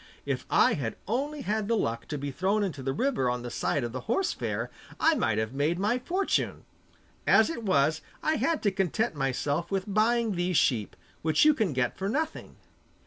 If I had only had the luck to be thrown into the river on the side of the horse fair I might have made my fortune! As it was, I had to content myself with buying these sheep, which you can get for nothing.